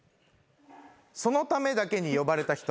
そのためだけに呼ばれた人。